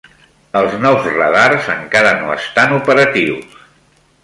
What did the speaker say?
Els nous radars encara no estan operatius.